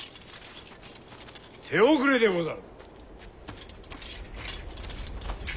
手遅れでござる。